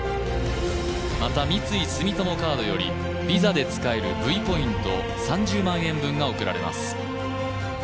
また、三井住友カードよりＶＩＳＡで使えるＶポイント３０万円分が贈られます。